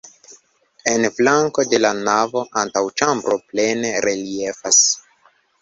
En flanko de la navo antaŭĉambro plene reliefas.